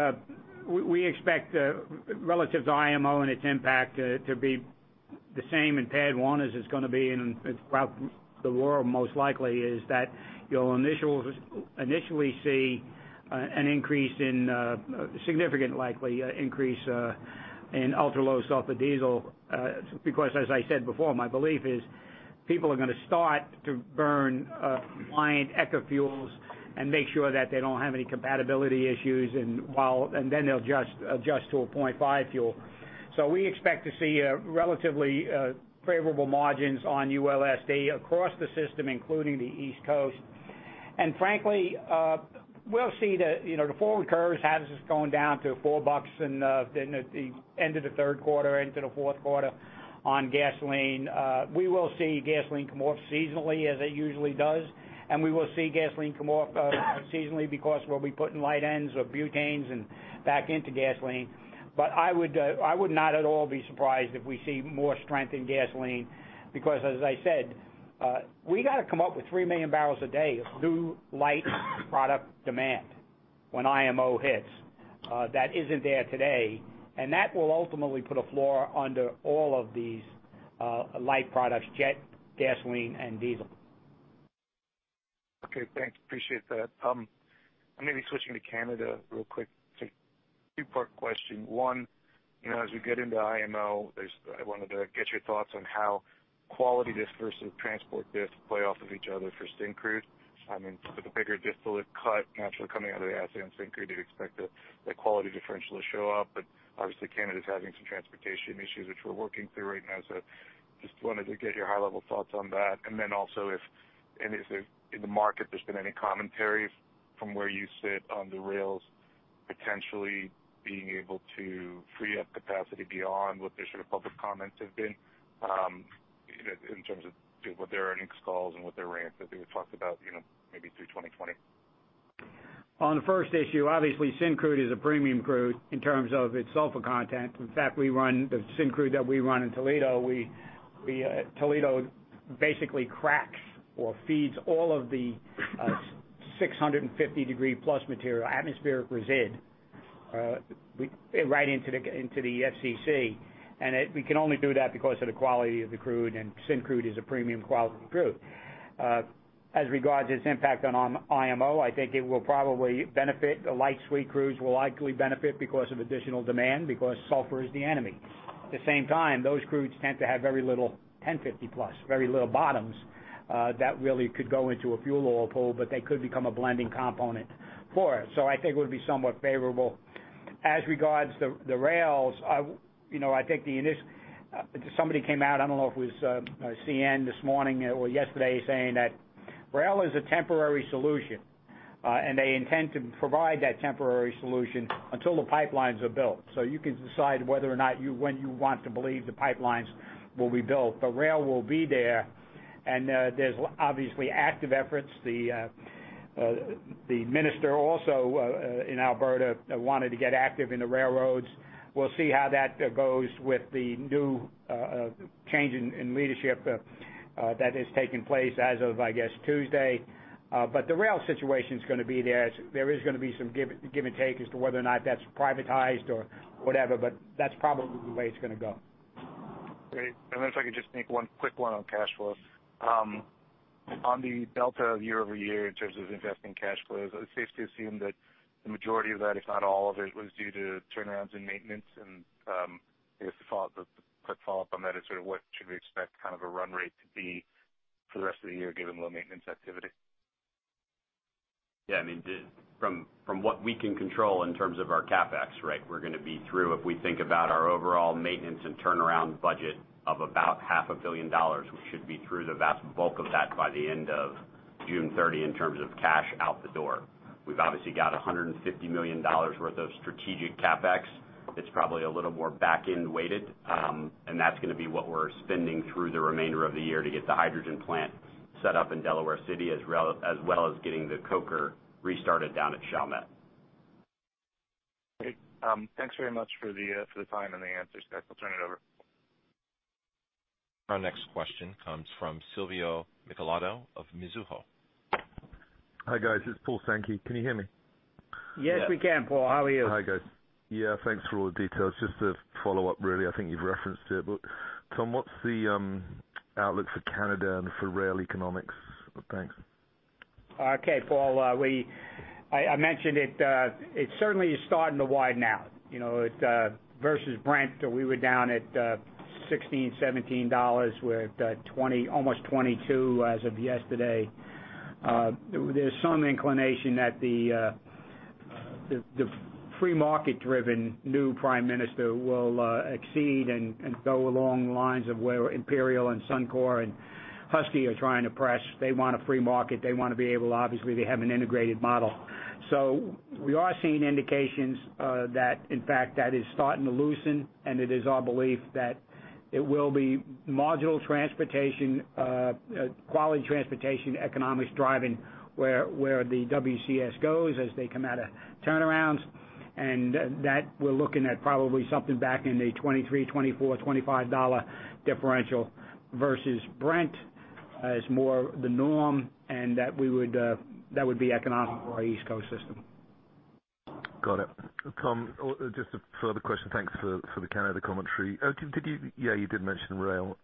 we expect relative to IMO and its impact to be the same in PADD-1 as it's going to be throughout the world, most likely, is that you'll initially see a significant likely increase in ultra-low sulfur diesel. As I said before, my belief is people are going to start to burn compliant ECA fuels and make sure that they don't have any compatibility issues, and then they'll adjust to a 0.5 fuel. We expect to see relatively favorable margins on ULSD across the system, including the East Coast. Frankly, we'll see the forward curves has us going down to $4 in the end of the third quarter into the fourth quarter on gasoline. We will see gasoline come off seasonally as it usually does, and we will see gasoline come off seasonally because we'll be putting light ends or butanes back into gasoline. I would not at all be surprised if we see more strength in gasoline because, as I said, we got to come up with 3 million barrels a day of new light product demand when IMO hits. That isn't there today, and that will ultimately put a floor under all of these light products, jet, gasoline, and diesel. Okay. Thanks. Appreciate that. I may be switching to Canada real quick. It's a two-part question. One, as we get into IMO, I wanted to get your thoughts on how quality diff versus transport diff play off of each other for syn crude. With a bigger distillate cut naturally coming out of the Athabasca syn crude, you'd expect the quality differential to show up. Obviously Canada's having some transportation issues, which we're working through right now. Just wanted to get your high-level thoughts on that. Then also if in the market there's been any commentary from where you sit on the rails potentially being able to free up capacity beyond what their public comments have been, in terms of what their earnings calls and what their ramps that they had talked about maybe through 2020. On the first issue, obviously syn crude is a premium crude in terms of its sulfur content. In fact, the syn crude that we run in Toledo basically cracks or feeds all of the 650-degree-plus material atmospheric residue right into the FCC. We can only do that because of the quality of the crude and syn crude is a premium quality crude. As regards its impact on IMO, I think it will probably benefit. The light sweet crudes will likely benefit because of additional demand because sulfur is the enemy. At the same time, those crudes tend to have very little 1,050-plus, very little bottoms that really could go into a fuel oil pool, but they could become a blending component for it. I think it would be somewhat favorable. As regards the rails, somebody came out, I don't know if it was CN this morning or yesterday, saying that rail is a temporary solution, and they intend to provide that temporary solution until the pipelines are built. You can decide when you want to believe the pipelines will be built. The rail will be there, and there's obviously active efforts. The minister also in Alberta wanted to get active in the railroads. We'll see how that goes with the new change in leadership that is taking place as of, I guess, Tuesday. The rail situation is going to be there. There is going to be some give and take as to whether or not that's privatized or whatever, but that's probably the way it's going to go. Great. If I could just make one quick one on cash flow. On the delta year-over-year in terms of investing cash flows, is it safe to assume that the majority of that, if not all of it, was due to turnarounds in maintenance? I guess the quick follow-up on that is what should we expect a run rate to be for the rest of the year given low maintenance activity? Yeah. From what we can control in terms of our CapEx, we're going to be through, if we think about our overall maintenance and turnaround budget of about half a billion dollars, we should be through the vast bulk of that by the end of June 30 in terms of cash out the door. We've obviously got $150 million worth of strategic CapEx that's probably a little more back-end weighted. That's going to be what we're spending through the remainder of the year to get the hydrogen plant set up in Delaware City, as well as getting the coker restarted down at Chalmette. Great. Thanks very much for the time and the answers, guys. I'll turn it over. Our next question comes from Silvio Micheloto of Mizuho. Hi, guys. It's Paul Sankey. Can you hear me? Yes, we can, Paul. How are you? Hi, guys. Thanks for all the details. Just a follow-up, really, I think you've referenced it, Tom, what's the outlook for Canada and for rail economics? Thanks. Okay. Paul, I mentioned it certainly is starting to widen out. Versus Brent, we were down at $16, $17. We're at almost $22 as of yesterday. There's some inclination that the free market-driven new prime minister will exceed and go along the lines of where Imperial Oil and Suncor Energy and Husky Energy are trying to press. They want a free market. Obviously, they have an integrated model. We are seeing indications that, in fact, that is starting to loosen, and it is our belief that it will be module transportation, quality transportation economics driving where the WCS goes as they come out of turnarounds. That we're looking at probably something back in the $23, $24, $25 differential versus Brent as more the norm, and that would be economical for our East Coast system. Got it. Tom, just a further question. Thanks for the Canada commentary. You did mention rail.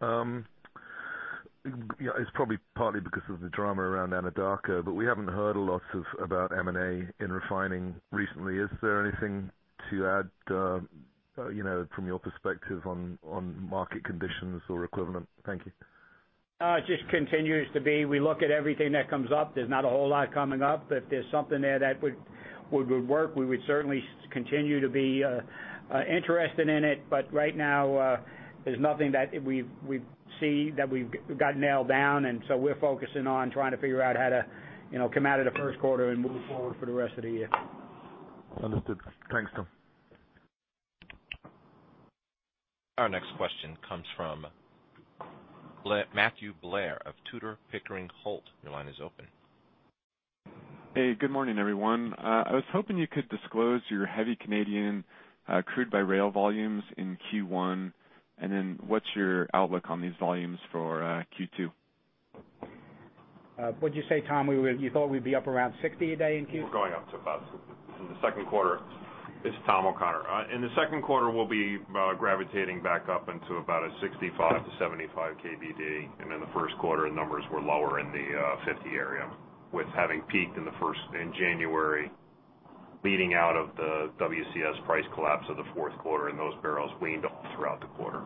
It's probably partly because of the drama around Anadarko Petroleum Corporation, we haven't heard a lot about M&A in refining recently. Is there anything to add from your perspective on market conditions or equivalent? Thank you. It just continues to be, we look at everything that comes up. There's not a whole lot coming up. If there's something there that would work, we would certainly continue to be interested in it. Right now, there's nothing that we see that we've got nailed down, we're focusing on trying to figure out how to come out of the first quarter and move forward for the rest of the year. Understood. Thanks, Tom. Our next question comes from Matthew Blair of Tudor, Pickering, Holt. Your line is open. Hey, good morning, everyone. I was hoping you could disclose your heavy Canadian crude-by-rail volumes in Q1, and what's your outlook on these volumes for Q2? What'd you say, Tom? You thought we'd be up around 60 a day in Q2? It's Thomas O'Connor. In the second quarter, we'll be gravitating back up into about a 65-75 KBD. In the first quarter, the numbers were lower in the 50 area, with having peaked in January, leading out of the WCS price collapse of the fourth quarter, and those barrels waned all throughout the quarter.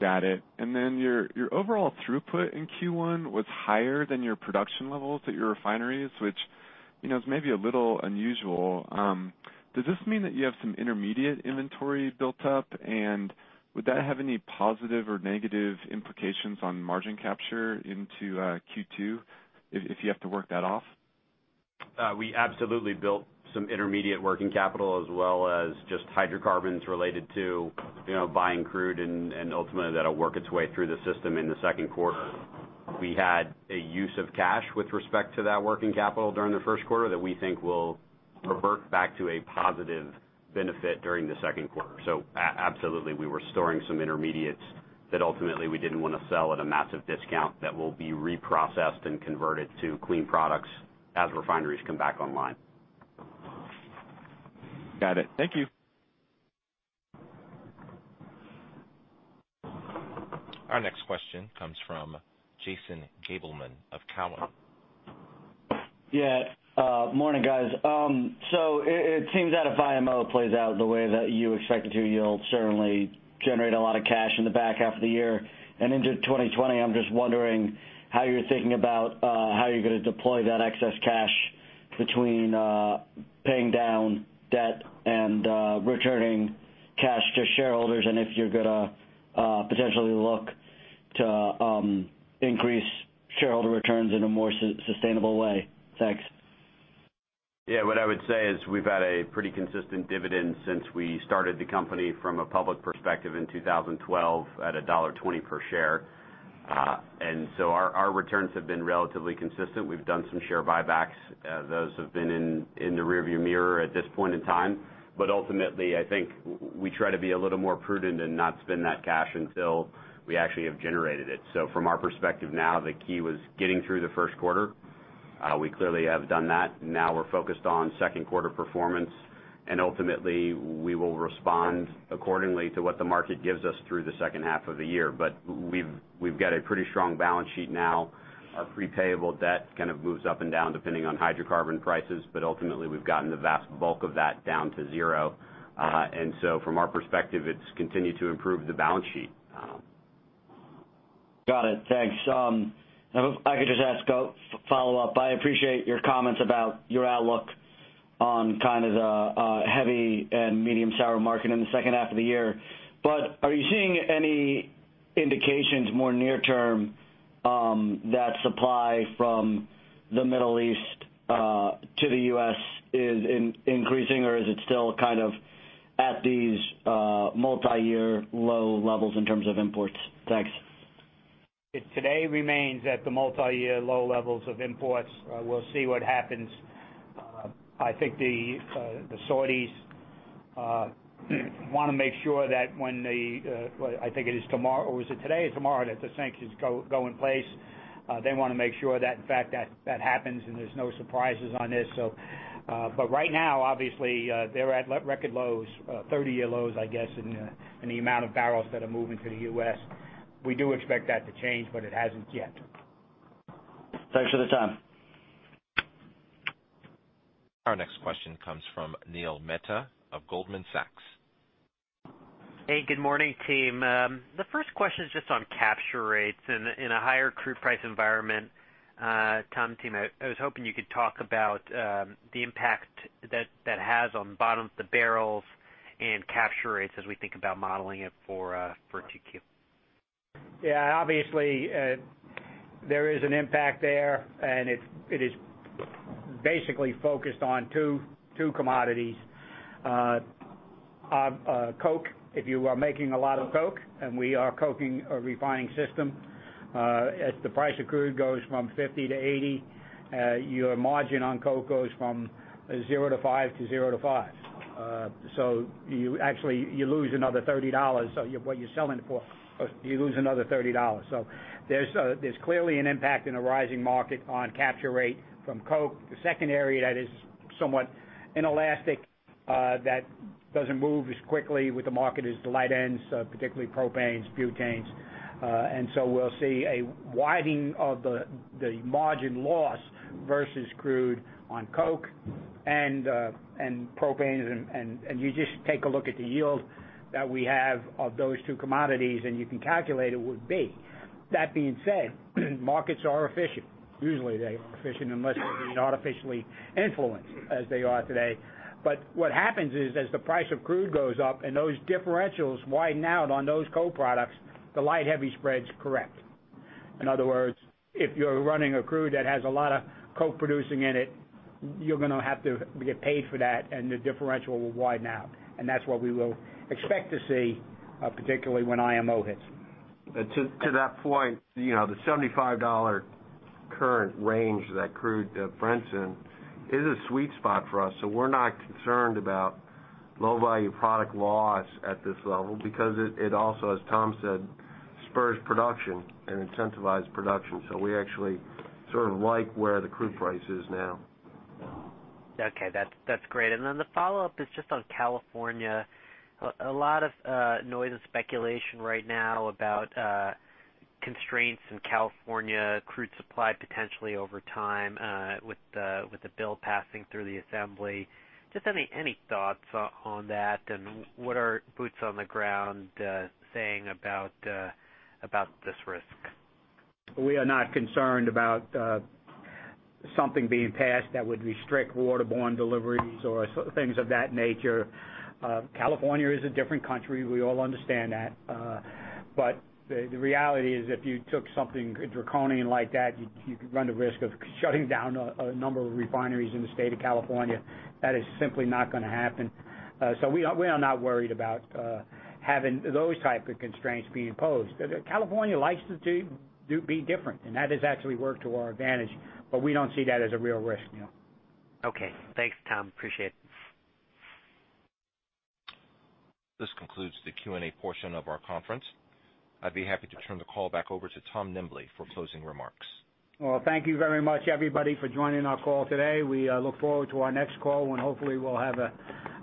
Got it. Your overall throughput in Q1 was higher than your production levels at your refineries, which is maybe a little unusual. Does this mean that you have some intermediate inventory built up? Would that have any positive or negative implications on margin capture into Q2, if you have to work that off? We absolutely built some intermediate working capital, as well as just hydrocarbons related to buying crude, and ultimately, that'll work its way through the system in the second quarter. We had a use of cash with respect to that working capital during the first quarter that we think will revert back to a positive benefit during the second quarter. Absolutely, we were storing some intermediates that ultimately we didn't want to sell at a massive discount that will be reprocessed and converted to clean products as refineries come back online. Got it. Thank you. Our next question comes from Jason Gabelman of Cowen. Yeah. Morning, guys. It seems that if IMO plays out the way that you expect it to, you'll certainly generate a lot of cash in the back half of the year and into 2020. I'm just wondering how you're thinking about how you're going to deploy that excess cash between paying down debt and returning cash to shareholders, and if you're gonna potentially look to increase shareholder returns in a more sustainable way. Thanks. Yeah. What I would say is we've had a pretty consistent dividend since we started the company from a public perspective in 2012 at $1.20 per share. Our returns have been relatively consistent. We've done some share buybacks. Those have been in the rear-view mirror at this point in time. Ultimately, I think we try to be a little more prudent and not spend that cash until we actually have generated it. From our perspective now, the key was getting through the first quarter. We clearly have done that. Now we're focused on second quarter performance, and ultimately, we will respond accordingly to what the market gives us through the second half of the year. We've got a pretty strong balance sheet now. Our pre-payable debt kind of moves up and down, depending on hydrocarbon prices. Ultimately, we've gotten the vast bulk of that down to zero. From our perspective, it's continued to improve the balance sheet. Got it. Thanks. If I could just ask a follow-up. I appreciate your comments about your outlook on the heavy and medium sour market in the second half of the year, are you seeing any indications more near term that supply from the Middle East to the U.S. is increasing, or is it still at these multi-year low levels in terms of imports? Thanks. It today remains at the multi-year low levels of imports. We'll see what happens. I think the Saudis want to make sure that when I think it is tomorrow, or is it today or tomorrow that the sanctions go in place. They want to make sure that, in fact, that happens and there's no surprises on this. Right now, obviously, they're at record lows, 30-year lows, I guess, in the amount of barrels that are moving to the U.S. We do expect that to change, but it hasn't yet. Thanks for the time. Our next question comes from Neil Mehta of Goldman Sachs. Hey, good morning, team. The first question is just on capture rates in a higher crude price environment. Tom, team, I was hoping you could talk about the impact that that has on the bottom of the barrels and capture rates as we think about modeling it for 2Q. Yeah, obviously, there is an impact there, and it is basically focused on two commodities. Coke, if you are making a lot of coke, and we are a coking refining system, as the price of crude goes from 50-80, your margin on coke goes from 0-5, to 0-5. Actually, you lose another $30. What you're selling it for, you lose another $30. There's clearly an impact in a rising market on capture rate from coke. The second area that is somewhat inelastic, that doesn't move as quickly with the market, is the light ends, particularly propanes, butanes. We'll see a widening of the margin loss versus crude on coke and propanes. You just take a look at the yield that we have of those two commodities, and you can calculate it would be. That being said, markets are efficient. Usually, they are efficient unless they're being artificially influenced, as they are today. What happens is, as the price of crude goes up and those differentials widen out on those co-products, the light heavy spreads correct. In other words, if you're running a crude that has a lot of co-producing in it, you're going to have to get paid for that, and the differential will widen out. That's what we will expect to see, particularly when IMO hits. To that point, the $75 current range that crude rents in is a sweet spot for us. We're not concerned about low-value product loss at this level because it also, as Tom said, spurs production and incentivizes production. We actually sort of like where the crude price is now. Okay, that's great. The follow-up is just on California. A lot of noise and speculation right now about constraints in California crude supply potentially over time with the bill passing through the Assembly. Any thoughts on that, and what are boots on the ground saying about this risk? We are not concerned about something being passed that would restrict waterborne deliveries or things of that nature. California is a different country. We all understand that. The reality is if you took something draconian like that, you'd run the risk of shutting down a number of refineries in the state of California. That is simply not going to happen. We are not worried about having those type of constraints being imposed. California likes to be different, and that has actually worked to our advantage. We don't see that as a real risk. Okay. Thanks, Tom. Appreciate it. This concludes the Q&A portion of our conference. I'd be happy to turn the call back over to Tom Nimbley for closing remarks. Well, thank you very much, everybody, for joining our call today. We look forward to our next call when hopefully we'll have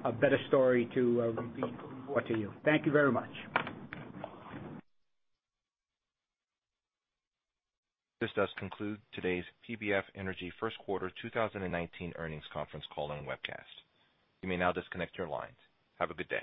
a better story to report to you. Thank you very much. This does conclude today's PBF Energy first quarter 2019 earnings conference call and webcast. You may now disconnect your lines. Have a good day.